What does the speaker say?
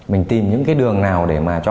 mình tìm những cái đường nào để mà cho